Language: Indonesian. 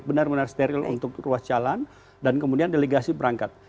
benar benar steril untuk ruas jalan dan kemudian delegasi berangkat